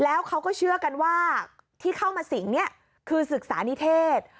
แล้วเขาก็เชื่อกันว่าที่เข้ามาสิงเนี่ยคือศึกษานิเทศ